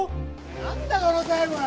なんだこのタイムは！